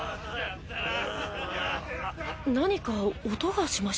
何か音がしましたよ？